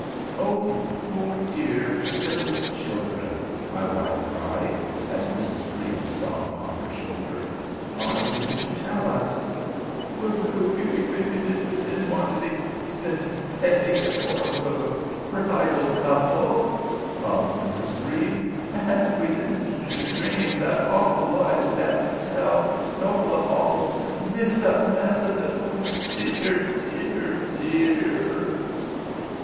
"Oh, you poor, dear, silly children!" my wife cried, as Mrs. Brede sobbed on her shoulder, "why didn't you tell us?" "W W W We didn't want to be t t taken for a b b b b bridal couple," sobbed Mrs. Brede; "and we d d didn't dream what awful lies we'd have to tell, and all the aw awful mixed up ness of it. Oh, dear, dear, dear!"